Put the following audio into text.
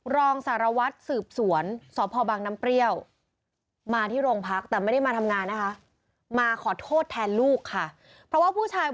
รองสารวัฒน์สืบสวนสพบน้ำเปรี้ยว